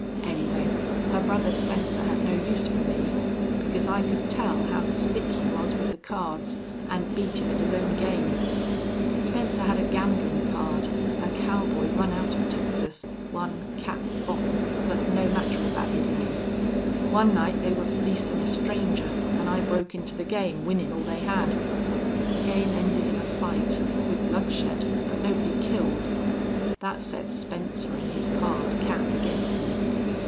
Anyway, her brother Spencer had no use for me, because I could tell how slick he was with the cards an' beat him at his own game. Spencer had a gamblin' pard, a cowboy run out of Texas, one Cap Fol But no matter about his name. One night they were fleecin' a stranger an' I broke into the game, winnin' all they had. The game ended in a fight, with bloodshed, but nobody killed. That set Spencer an' his pard Cap against me.